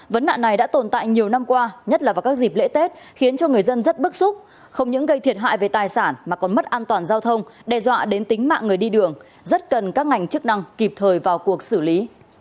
vấn nạn này đã tồn tại nhiều năm qua nhất là vào các dịp lễ tết khiến cho người dân rất bức xúc không những gây thiệt hại về tài sản mà còn mất an toàn giao thông đe dọa đến tính mạng người đi đường rất cần các ngành chức năng kịp thời vào cuộc xử lý